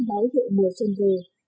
báo hiệu mùa xuân về